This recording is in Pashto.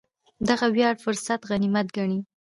دغه وړیا فرصت غنیمت ګڼي.